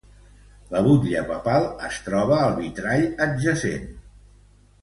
La butlla papal es troba al vitrall adjacent.